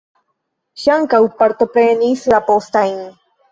Ŝi ankaŭ partoprenis la postajn.